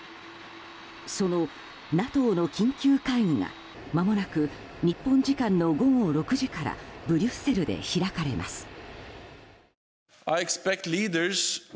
そのＮＡＴＯの緊急会議がまもなく日本時間の午後６時からブリュッセルで開かれます。